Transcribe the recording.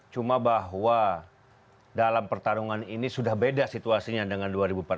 cuma bahwa dalam pertarungan ini sudah beda situasinya dengan dua ribu empat belas